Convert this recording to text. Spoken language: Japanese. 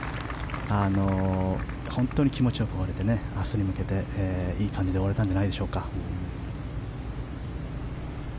本当に気持ちよく終われて明日に向けていい感じで終われたんじゃないでしょうか。